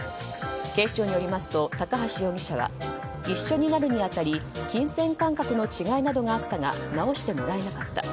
警視庁によりますと高橋容疑者は一緒になるに当たり金銭感覚の違いなどがあったが直してもらえなかった。